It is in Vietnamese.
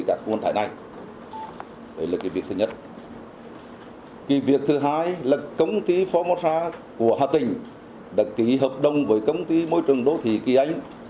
cái việc thứ hai là công ty phô mô sa của hà tình đặt kỷ hợp đồng với công ty môi trường đô thị kỳ anh